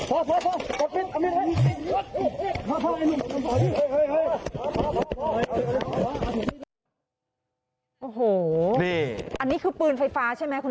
โอ้โหอันนี้คือปืนไฟฟ้าใช่ไหมคุณนักโหน